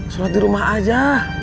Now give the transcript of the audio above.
sholat di rumah aja